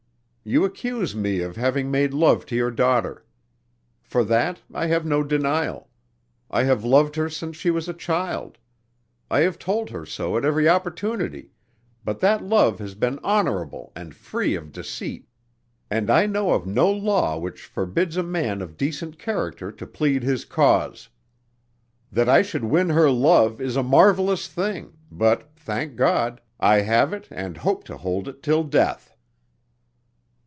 "You accuse me of having made love to your daughter. For that I have no denial. I have loved her since she was a child. I have told her so at every opportunity, but that love has been honorable and free of deceit and I know of no law which forbids a man of decent character to plead his cause. That I should win her love is a marvelous thing, but, thank God, I have it and hope to hold it till death."